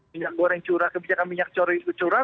minyak goreng curah kebijakan minyak curah